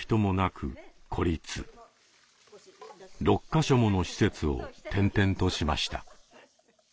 ６か所もの施設を転々としました。